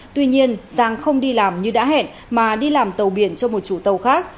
tuy nhiên giang không đi làm như đã hẹn mà đi làm tàu biển cho một chủ tàu khác